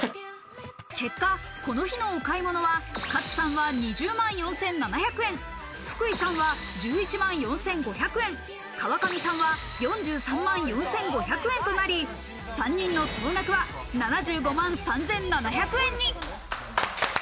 結果、この日のお買い物は勝さんは２０万４７００円、福井さんは１１万４５００円、川上さんは４３万４５００円となり、３人の総額は７５万３７００円に。